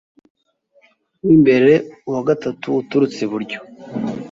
w imbere uwa gatatu uturutse iburyo